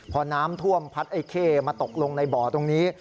พอน้ำท่วมพัดไอ้เข้มาตกลงในบ่อตรงนี้